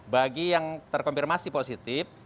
bagi yang terkonfirmasi positif